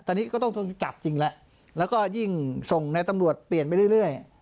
ตอนนี้ก็ต้องจับจริงแล้วแล้วก็ยิ่งส่งในตำรวจเปลี่ยนไปเรื่อย